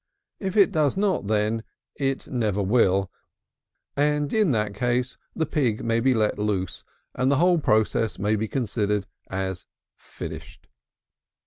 If it does not then, it never will; and in that case the pig may be let loose, and the whole process may be considered as finished.